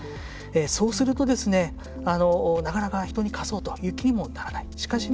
そうすると、なかなか人に貸そうという気にもならない。